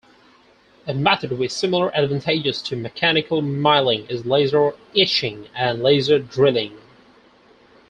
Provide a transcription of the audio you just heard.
A method with similar advantages to mechanical milling is laser etching and laser drilling.